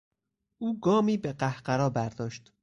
او گامی به قهقرا برداشت.